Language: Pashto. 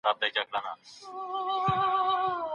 رواني ازموینې د ماشومانو د استعداد په معلومولو کي مرسته کوي.